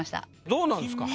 どうなんすか？